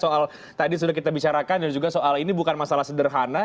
soal tadi sudah kita bicarakan dan juga soal ini bukan masalah sederhana